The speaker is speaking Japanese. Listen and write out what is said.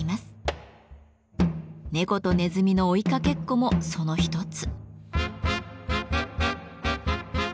猫とねずみの追いかけっこもその一つ。